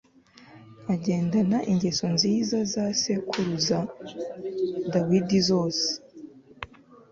agendana ingeso nziza za sekuruza dawidi zose